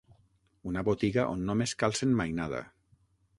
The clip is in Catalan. Una botiga on només calcen mainada.